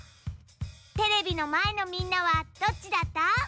テレビのまえのみんなはどっちだった？